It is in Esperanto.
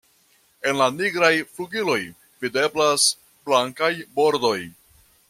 En la nigraj flugiloj videblas blankaj bordoj.